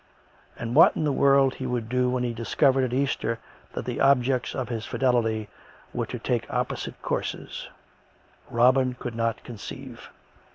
And what in the world he would do when he discovered, at Easter, that the objects of his fidelity were to take opposite courses, Robin could not conceive.